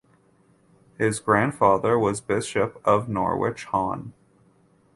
His grandfather was Bishop of Norwich Hon.